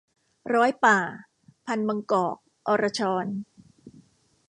ร้อยป่า - พันธุ์ บางกอก-อรชร